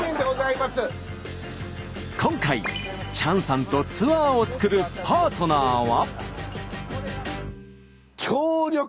今回チャンさんとツアーを作るパートナーは。